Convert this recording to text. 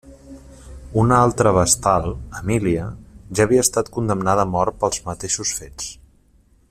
Una altra vestal, Emília, ja havia estat condemnada a mort pels mateixos fets.